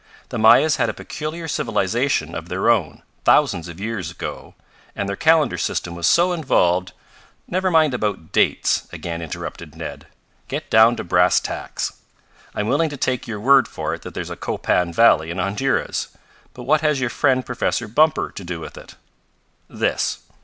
The Mayas had a peculiar civilization of their own, thousands of years ago, and their calendar system was so involved " "Never mind about dates," again interrupted Ned. "Get down to brass tacks. I'm willing to take your word for it that there's a Copan valley in Honduras. But what has your friend Professor Bumper to do with it?" "This.